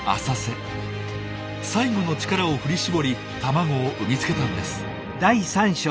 最後の力を振り絞り卵を産み付けたんです。